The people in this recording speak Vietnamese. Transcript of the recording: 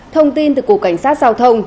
thông tin từ cục cảnh sát giao thông